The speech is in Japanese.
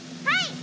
はい。